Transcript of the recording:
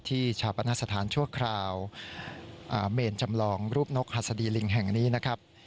ชาปนสถานชั่วคราวเมนจำลองรูปนกหัสดีลิงแห่งนี้นะครับ